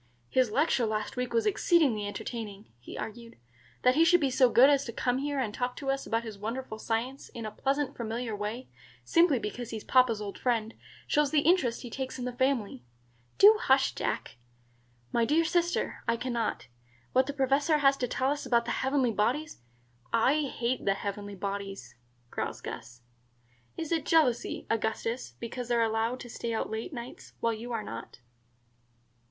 "His lecture last week was exceedingly entertaining," he argued. "That he should be so good as to come here and talk to us about his wonderful science in a pleasant familiar way, simply because he's papa's old friend, shows the interest he takes in the family." "Do hush, Jack." "My dear sister, I can not. What the Professor has to tell us about the heavenly bodies " "I hate the heavenly bodies," growls Gus. "Is it jealousy, Augustus, because they are allowed to stay out late nights, while you are not?"